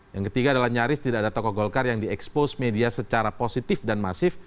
yang ketiga adalah nyaris tidak ada tokoh golkar yang diekspos media secara positif dan masif